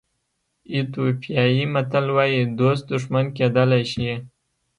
ایتیوپیایي متل وایي دوست دښمن کېدلی شي.